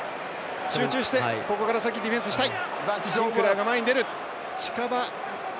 集中して、ここから先ディフェンスしたい。